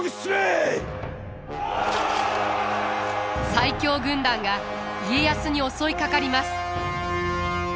最強軍団が家康に襲いかかります。